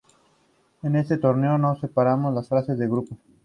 En este torneo no superaron la fase de grupos.